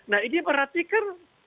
nah ini berarti kan